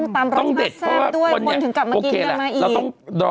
ต้องเด็ด